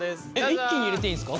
一気に入れていいんですか？